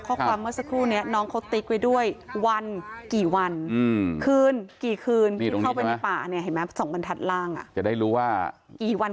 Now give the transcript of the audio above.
ข้นภาพเมื่อสักครู่นี้น้องเขาติกไว้ด้วยวันกี่วัน